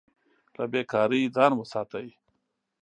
له بې کارۍ ځان وساتئ.